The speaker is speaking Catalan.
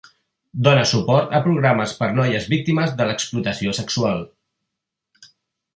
Dóna suport a programes per noies víctimes de l'explotació sexual.